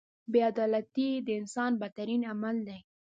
• بې عدالتي د انسان بدترین عمل دی.